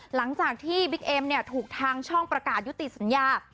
หลังจากที่บิ๊กเอ็มเนี่ยถูกทางช่องประกาศยุติสัญญา